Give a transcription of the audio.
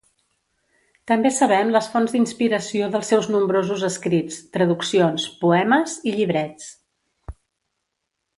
També sabem les fonts d'inspiració dels seus nombrosos escrits, traduccions, poemes i llibrets.